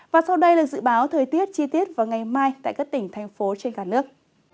và sau đây là dự báo thời tiết chi tiết vào ngày mai tại các tỉnh thành phố trên cả nước